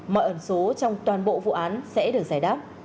mọi ẩn số trong toàn bộ vụ án sẽ được giải đáp